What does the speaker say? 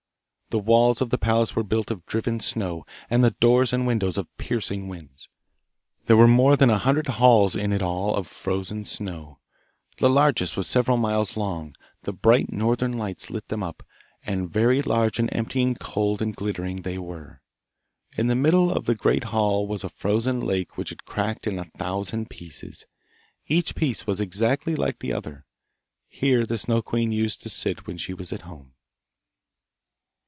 The walls of the palace were built of driven snow, and the doors and windows of piercing winds. There were more than a hundred halls in it all of frozen snow. The largest was several miles long; the bright Northern lights lit them up, and very large and empty and cold and glittering they were! In the middle of the great hall was a frozen lake which had cracked in a thousand pieces; each piece was exactly like the other. Here the Snow queen used to sit when she was at home.